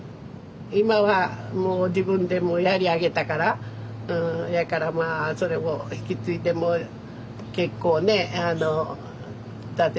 今はもう自分でもうやり上げたからやからまあそれを引き継いでもう結構ね挫折せんようにね。